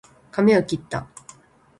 かみをきった